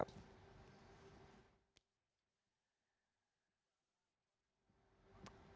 tadi sudah ada beberapa berita berita